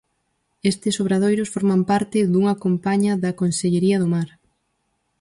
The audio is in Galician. Estes obradoiros forman parte dunha campaña da Consellería do Mar.